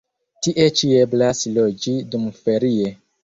Tie ĉi eblas loĝi dumferie.